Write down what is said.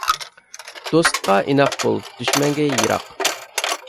دوستقا ئىناق بول، دۈشمەنگە يىراق.